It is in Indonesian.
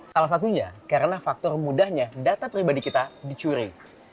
salah satunya karena faktor mudahnya data pribadi kita dicuri